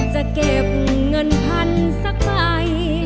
จะเก็บเงินพันธุ์สักไป